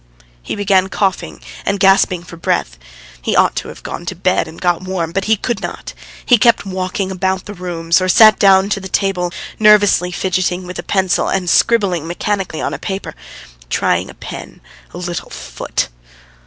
He began coughing and gasping for breath. He ought to have gone to bed and got warm, but he could not. He kept walking about the rooms, or sat down to the table, nervously fidgeting with a pencil and scribbling mechanically on a paper. "Trying a pen. ... A little foot."